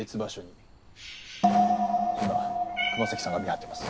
今熊咲さんが見張ってます。